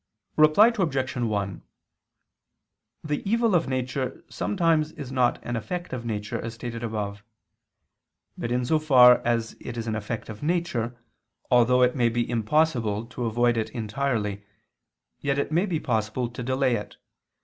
Reply Obj. 1: The evil of nature sometimes is not an effect of nature, as stated above. But in so far as it is an effect of nature, although it may be impossible to avoid it entirely, yet it may be possible to delay it.